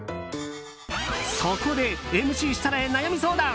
そこでＭＣ設楽へ悩み相談。